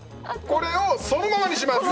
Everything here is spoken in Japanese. これをそのままにします！